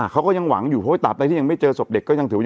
เขาก็ยังหวังอยู่เพราะว่าตราบใดที่ยังไม่เจอศพเด็กก็ยังถือว่า